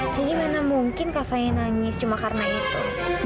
jadi mana mungkin kak fah ini nangis cuma karena itu